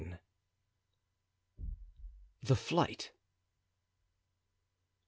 The Flight.